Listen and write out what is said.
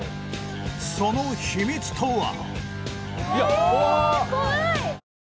その秘密とは？